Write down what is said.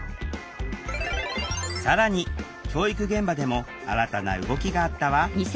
更に教育現場でも新たな動きがあったわ。